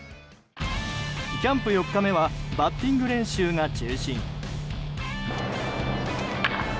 キャンプ４日目はバッティング練習が中心。